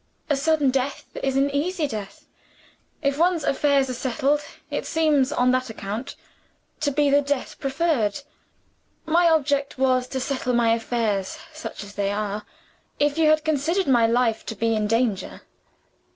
"A sudden death is an easy death. If one's affairs are settled, it seems, on that account, to be the death to prefer. My object was to settle my affairs such as they are if you had considered my life to be in danger.